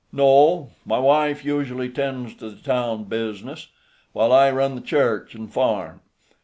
"No; my wife usually 'tends to the town bizness, while I run the church and farm.